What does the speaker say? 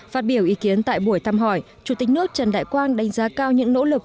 phát biểu ý kiến tại buổi thăm hỏi chủ tịch nước trần đại quang đánh giá cao những nỗ lực